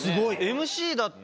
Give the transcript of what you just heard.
ＭＣだって。